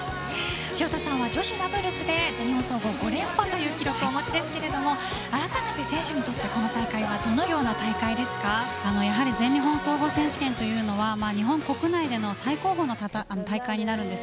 潮田さんは女子ダブルスで５連覇という記録をお持ちですがあらためて選手にとってこの大会は全日本総合選手権というのは日本国内での最高峰の大会になるんです。